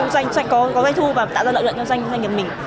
có doanh thu và tạo ra lợi nhuận cho doanh nghiệp mình